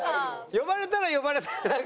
呼ばれたら呼ばれたでなんか。